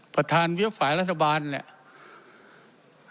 ประธานเวียบฝ่ายรัฐบาลเนี่ย